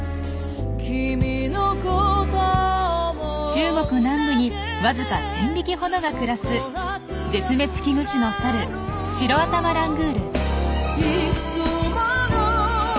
中国南部にわずか１，０００匹ほどが暮らす絶滅危惧種のサルシロアタマラングール。